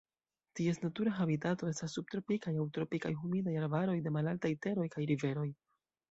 Ties natura habitato estas subtropikaj aŭ tropikaj humidaj arbaroj de malaltaj teroj kaj riveroj.